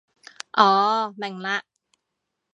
哦，明嘞